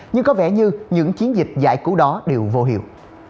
nhưng có vẻ như những chiến dịch giải cứu đó đều vô hiệu